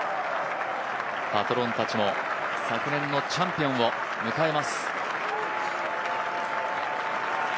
パトロンたちも昨年のチャンピオンを迎えます。